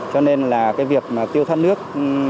cho nên việc tiêu thoát nước